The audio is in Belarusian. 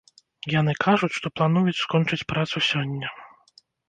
Яны кажуць, што плануюць скончыць працу сёння.